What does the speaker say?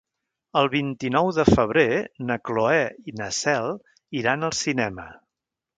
El vint-i-nou de febrer na Cloè i na Cel iran al cinema.